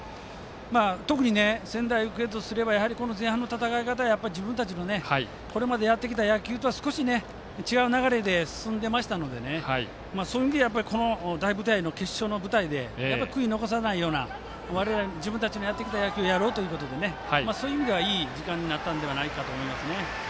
特に仙台育英とすれば前半の戦い方は、やっぱり自分たちのこれまでやってきた野球とは違う流れで進んでましたのでやっぱり大舞台の決勝の舞台で悔いを残さないような自分たちのやってきた野球をやろうということでいい時間になったのではないかと思います。